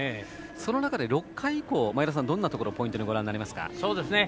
その中で６日以降前田さん、どんなところをポイントに、ご覧になりますか？